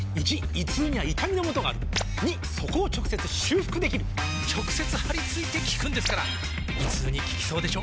①胃痛には痛みのもとがある②そこを直接修復できる直接貼り付いて効くんですから胃痛に効きそうでしょ？